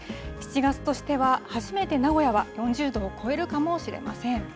７月としては初めて名古屋は４０度を超えるかもしれません。